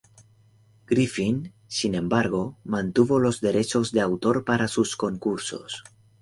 Griffin, sin embargo, mantuvo los derechos de autor para sus concursos.